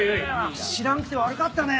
知らんくて悪かったね。